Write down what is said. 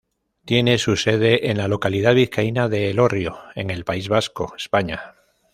Tiene su sede en la localidad vizcaína de Elorrio en el País Vasco, España.